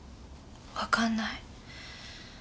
わかんない。